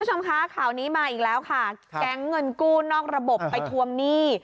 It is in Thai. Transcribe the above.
คุณผู้ชมคะข่าวนี้มาอีกแล้วค่ะแก๊งเงินกู้นอกระบบไปทวงหนี้